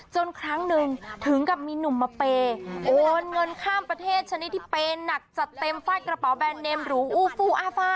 ครั้งหนึ่งถึงกับมีหนุ่มมาเปย์โอนเงินข้ามประเทศชนิดที่เปย์หนักจัดเต็มฟาดกระเป๋าแบรนเนมหรูอูฟูอาฟ่า